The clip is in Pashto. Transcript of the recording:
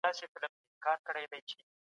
که بهرنی سياست کمزوری وي هيواد زيان ويني.